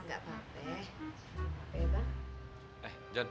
belajar yang baik ya john ya